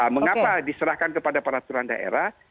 mengapa diserahkan kepada peraturan daerah